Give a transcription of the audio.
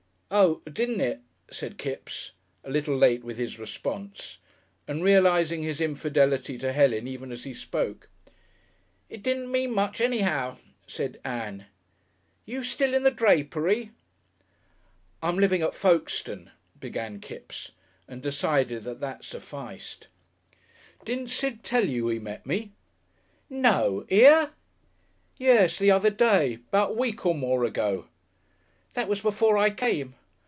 "Oh, didn't it!" said Kipps, a little late with his response, and realising his infidelity to Helen even as he spoke. "It didn't mean much anyhow," said Ann. "You still in the drapery?" "I'm living at Folkestone," began Kipps and decided that that sufficed. "Didn't Sid tell you he met me?" "No! Here?" "Yes. The other day. 'Bout a week or more ago." "That was before I came."